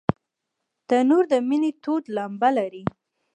تنور د مینې تود لمبه لري